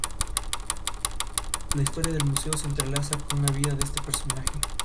Construye un nido globular, hecho de palitos y ramitas, sobre ramas o cactus.